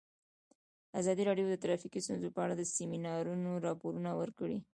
ازادي راډیو د ټرافیکي ستونزې په اړه د سیمینارونو راپورونه ورکړي.